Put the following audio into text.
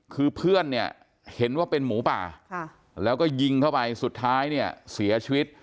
คือเพื่อนเนี่ยเห็นว่าเป็นหมูป่าแล้วก็ยิงเข้าไปสุดท้ายเนี่ยเสียชีวิต